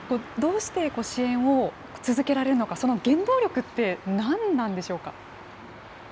どうして支援を続けられるのか、その原動力ってなんなんでしょうか。